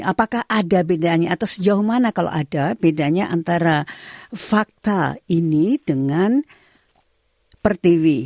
apakah ada bedanya atau sejauh mana kalau ada bedanya antara fakta ini dengan pertiwi